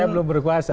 saya belum berkuasa